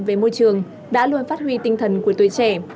về môi trường đã luôn phát huy tinh thần của tuổi trẻ